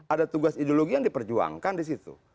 ada tugas ideologi yang diperjuangkan di situ